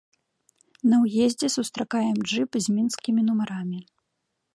На ўездзе сустракаем джып з мінскімі нумарамі.